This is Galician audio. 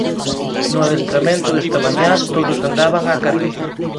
No adestramento desta mañá todos andaban á carreira.